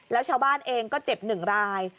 แล้วชาวบ้านเองก็เจ็บ๑ราย